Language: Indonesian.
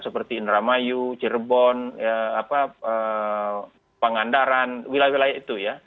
seperti indramayu cirebon pangandaran wilayah wilayah itu ya